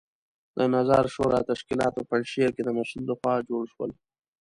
د نظار شورا تشکیلات په پنجشیر کې د مسعود لخوا جوړ شول.